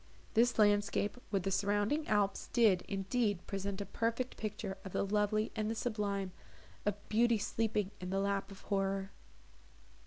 This landscape with the surrounding alps did, indeed, present a perfect picture of the lovely and the sublime, of "beauty sleeping in the lap of horror."